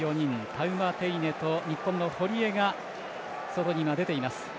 タウマテイネと日本の堀江が外に出ています。